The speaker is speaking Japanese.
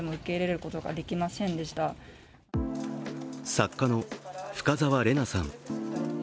作家の深沢レナさん。